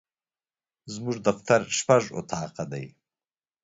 زموږ دفتر شپږ اطاقه دي.